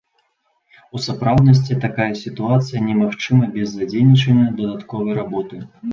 У сапраўднасці такая сітуацыя не магчыма без задзейнічання дадатковай работы.